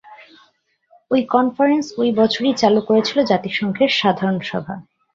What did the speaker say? এই কনফারেন্স ঐ বছরই চালু করেছিল জাতিসংঘের সাধারণ সভা।